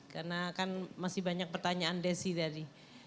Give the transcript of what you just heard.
karena kan masih banyak pertanyaan desy tadi